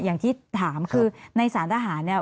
อย่างที่ถามคือในสารทหารเนี่ย